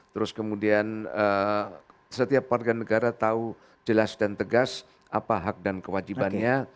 terus kemudian setiap warga negara tahu jelas dan tegas apa hak dan kewajibannya